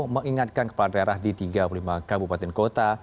mengingatkan kepala daerah di tiga puluh lima kabupaten kota